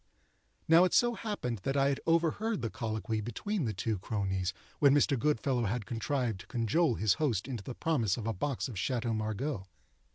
Now it so happened that I had overheard the colloquy between the two cronies, when Mr. Goodfellow had contrived to cajole his host into the promise of a box of Chateaux Margaux.